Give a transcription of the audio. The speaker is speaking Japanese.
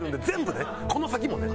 この先もね。